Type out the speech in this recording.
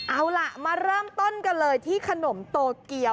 เอาล่ะมาเริ่มต้นกันเลยที่ขนมโตเกียว